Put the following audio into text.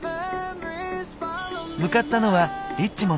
向かったのはリッチモンド。